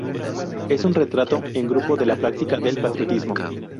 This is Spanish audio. Es un retrato en grupo de la práctica del patriotismo".